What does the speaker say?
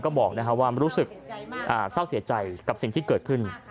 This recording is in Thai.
บอกว่ารู้สึกเศร้าเสียใจกับสิ่งที่เกิดขึ้น